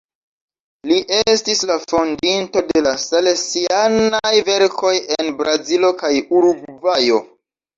Li estis la fondinto de la salesianaj verkoj en Brazilo kaj Urugvajo.